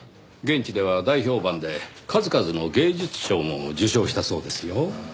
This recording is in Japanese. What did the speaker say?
現地では大評判で数々の芸術賞も受賞したそうですよ。